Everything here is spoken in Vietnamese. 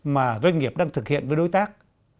mà doanh nghiệp đang thực hiện với đối tác